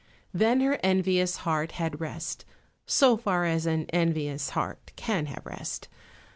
Then her envious heart had rest, so far as an envious heart can have rest.